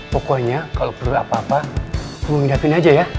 pokoknya kalau perlu apa apa tolong gapain aja ya